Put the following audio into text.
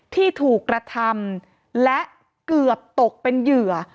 ที่ถูกกระทำและเกือบตกเป็นเหยื่อ